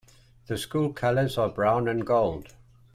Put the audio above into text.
The school colors are brown and gold.